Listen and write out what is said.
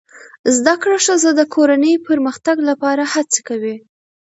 زده کړه ښځه د کورنۍ پرمختګ لپاره هڅې کوي